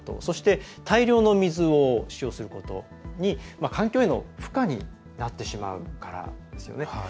そして大量の水を使用することに環境への負荷になってしまうからですよね。